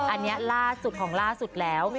อันนี้ล่าสุดของล่าสุดแล้ว